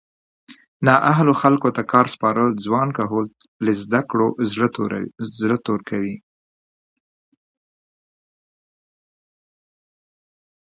نااهلو خلکو ته کار سپارل ځوان کهول له زده کړو زړه توری کوي